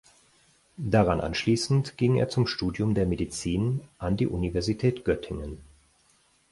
Daran anschließend ging er zum Studium der Medizin an die Universität Göttingen.